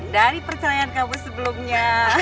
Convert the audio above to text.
dari percayaan kamu sebelumnya